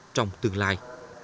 trong tương lai